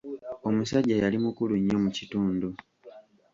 Omusajja yali mukulu nnyo mu kitundu.